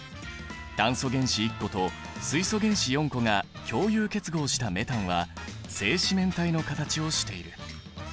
炭素原子１個と水素原子４個が共有結合したメタンは正四面体の形をしている。